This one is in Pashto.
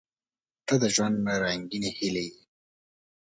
• ته د ژوند رنګینې هیلې یې.